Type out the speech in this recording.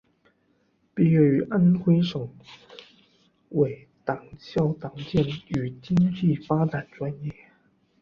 毕业于安徽省委党校党建与经济发展专业。